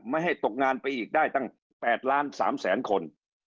ไม่ให้ตกงานไปอีกได้ตั้ง๘ล้าน๓แสนคน